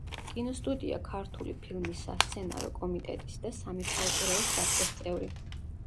კინოსტუდია „ქართული ფილმის“ სასცენარო კომიტეტის და სამეთვალყურეო საბჭოს წევრი.